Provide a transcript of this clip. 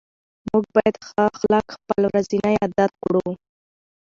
موږ باید ښه اخلاق خپل ورځني عادت کړو